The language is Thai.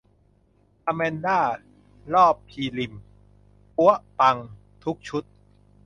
อแมนด้า รอบพรีลิม ปั๊วะปังทุกชุด